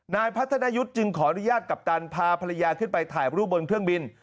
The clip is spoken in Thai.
นายพัฒนายุทธ์จึงขออนุญาตกัปตันพาภรรยาขึ้นไปถ่ายรูปบนเครื่องบิน